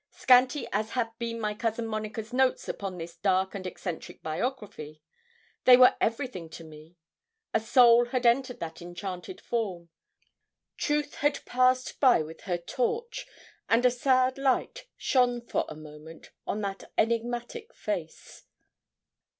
Scanty as had been my cousin Monica's notes upon this dark and eccentric biography, they were everything to me. A soul had entered that enchanted form. Truth had passed by with her torch, and a sad light shone for a moment on that enigmatic face.